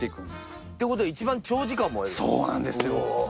そうなんですよ。